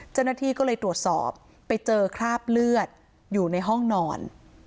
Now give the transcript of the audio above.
เจ้าหน้าที่ก็เลยตรวจสอบไปเจอคราบเลือดอยู่ในห้องนอน